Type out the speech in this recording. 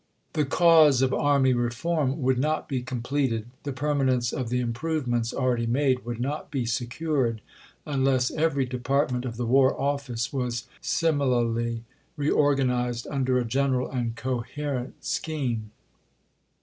" The cause of Army Reform would not be completed, the permanence of the improvements already made would not be secured, unless every department of the War Office was similarly reorganized under a general and coherent scheme.